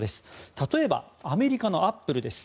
例えばアメリカのアップルです。